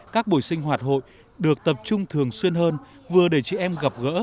các buổi sinh hoạt hội được tập trung thường xuyên hơn vừa để chị em gặp gỡ